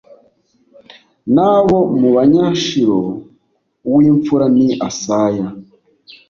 N abo mu banyashilo uw imfura ni asaya